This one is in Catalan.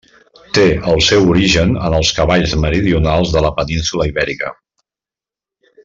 Té el seu origen en els cavalls meridionals de la península Ibèrica.